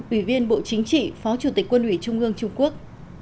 ủy viên bộ chính trị phó chủ tịch quân ủy trung ương trung quốc